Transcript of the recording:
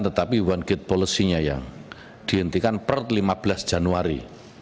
tetapi one gate policy nya yang dihentikan per lima belas januari